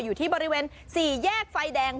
อยู่ที่บริเวณ๔แยกไฟแดง